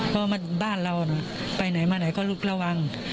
เพราะว่ามันบ้านเราน่ะไปไหนมาไหนก็ลูกระวัง